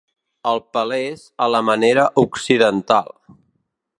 El pelés a la manera occidental.